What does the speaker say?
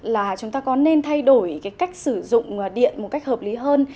là chúng ta có nên thay đổi cái cách sử dụng điện một cách hợp lý hơn